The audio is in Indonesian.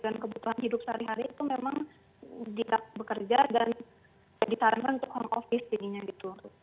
dan kebutuhan hidup sehari hari itu memang tidak bekerja dan ditarangkan untuk home office jadinya gitu